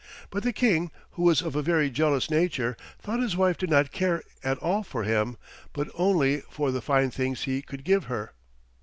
But the King, who was of a very jealous nature, thought his wife did not care at all for him, but only for the fine things he could give her.